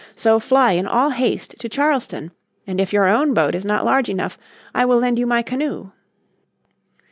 So fly in all haste to Charleston. And if your own boat is not large enough I will lend you my canoe."